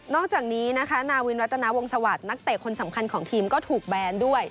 อกจากนี้นะคะนาวินวัตนาวงศวรรค์นักเตะคนสำคัญของทีมก็ถูกแบนด้วย